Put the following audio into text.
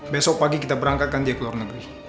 besok pagi kita berangkatkan dia ke luar negeri